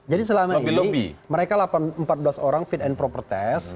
jadi selama ini mereka empat belas orang fit and proper test